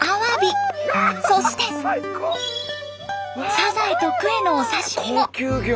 サザエとクエのお刺身も。